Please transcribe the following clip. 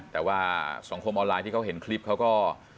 แต่ว่าสังคมออนไลน์ที่เขาเห็นคลิปเขาก็